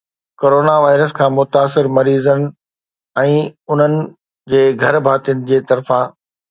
corona virus کان متاثر مريضن ۽ انهن جي گهرڀاتين جي طرفان